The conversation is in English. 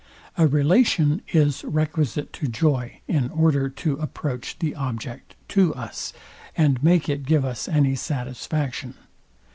A relation is requisite to joy, in order to approach the object to us, and make it give us any satisfaction.